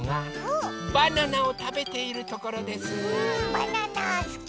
バナナすき！